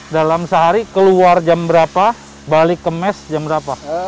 dalam sehari keluar jam berapa balik ke mes jam berapa